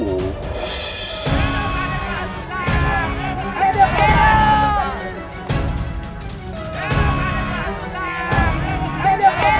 sungguh rencana yang sangat begitu sempurna nada prabu